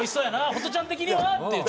「ホトちゃん的には」っていう。